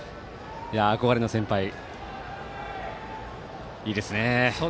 憧れの先輩、いいですね。